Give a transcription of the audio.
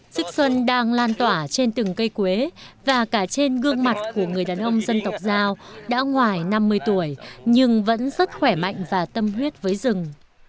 sức xuân đang lan tỏa trên từng cây quế và cả trên gương mặt của người đàn ông dân tộc giao đã ngoài năm mươi tuổi nhưng vẫn rất khỏe mạnh và tâm huyết với rừng